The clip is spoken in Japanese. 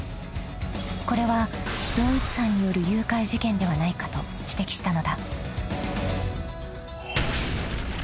［これは同一犯による誘拐事件ではないかと指摘したのだ］